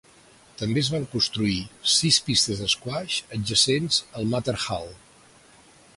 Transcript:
També es van construir sis pistes d'esquaix, adjacents al Mather Hall.